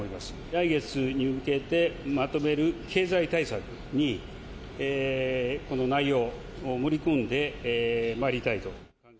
来月に向けてまとめる経済対策に、この内容を盛り込んでまいりたいと。